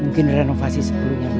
mungkin renovasi sebelumnya dulu